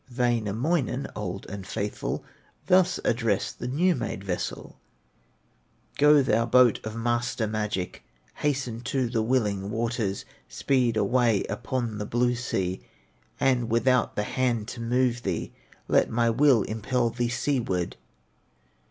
Wainamoinen, old and faithful, Thus addressed the new made vessel: "Go, thou boat of master magic, Hasten to the willing waters, Speed away upon the blue sea, And without the hand to move thee; Let my will impel thee seaward."